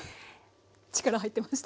力入ってました。